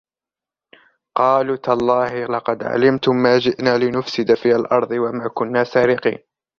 قالوا تالله لقد علمتم ما جئنا لنفسد في الأرض وما كنا سارقين